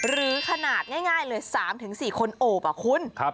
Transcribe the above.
หรือขนาดง่ายเลย๓๔คนโอบคุณ